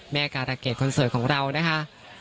แม่การะเกษคนสวยของเรานะคะ